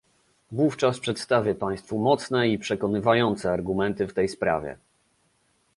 Wówczas przedstawię państwu mocne i przekonywające argumenty w tej sprawie